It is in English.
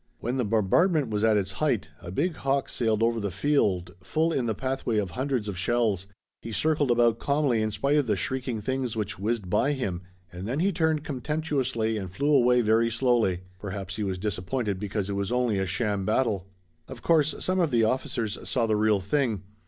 When the bombardment was at its height a big hawk sailed over the field full in the pathway of hundreds of shells. He circled about calmly in spite of the shrieking things which whizzed by him and then he turned contemptuously and flew away very slowly. Perhaps he was disappointed because it was only a sham battle. Of course some of the officers saw the real thing.